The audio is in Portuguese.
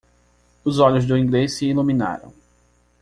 Os olhos do inglês se iluminaram.